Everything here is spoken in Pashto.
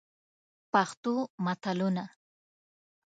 پښتو متلونه: